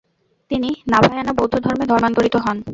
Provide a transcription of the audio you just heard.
তিনি নাভায়ানা বৌদ্ধ ধর্মে ধর্মান্তরিত হন।